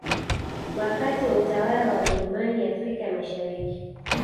Wakati wa utawala wa Wajerumani Afrika ya Mashariki